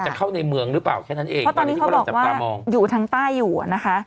เข้าในเมืองหรือเปล่าแค่นั้นเองเพราะตอนนี้เขาบอกว่าอยู่ทางใต้อยู่อ่ะนะคะ